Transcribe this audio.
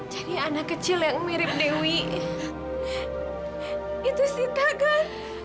jadi anak kecil yang mirip dewi itu sita kan